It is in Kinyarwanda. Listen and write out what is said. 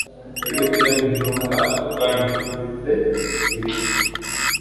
Rujugitirabijumba rwa njunditse ibika